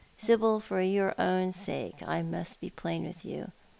Sibyl, for your own sake, I must be plain with you.